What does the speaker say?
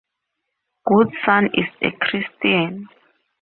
Goodson is a Christian.